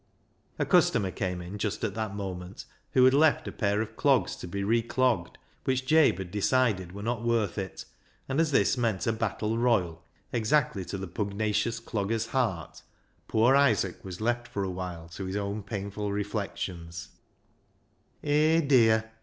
A customer came in just at that moment who had left a pair of clogs to be reclogged, which Jabe had decided were not worth it, and as this meant a battle royal, exactly to the pugnacious dogger's heart, poor Isaac was left for a while to his own painful reflections, " Hay, dear